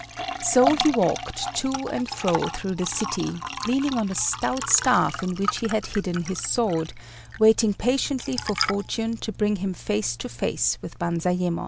So he walked to and fro through the city, leaning on a stout staff, in which he had hidden his sword, waiting patiently for fortune to bring him face to face with Banzayémon.